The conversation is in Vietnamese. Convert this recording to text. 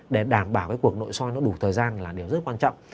để đảm bảo cái cuộc nội soi nó đủ thời gian là điều rất quan trọng